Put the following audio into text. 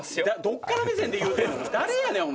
どっから目線で言うてんねん？